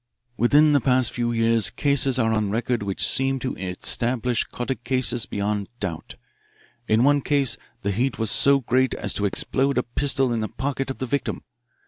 "'Within the past few years cases are on record which seem to establish catacausis beyond doubt. In one case the heat was so great as to explode a pistol in the pocket of the victim.